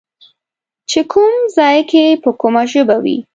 چې کوم ځای کې به کومه ژبه وي